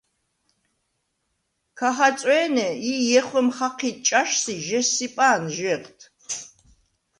ქა ხაწვე̄ნე ი ჲეხვემ ხაჴიდ ჭაშს ი ჟესსიპა̄ნ ჟეღდ.